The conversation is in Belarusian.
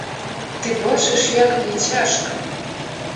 Ты бачыш, як мне цяжка.